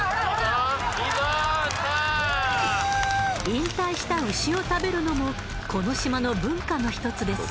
引退した牛を食べるのもこの島の文化の１つです。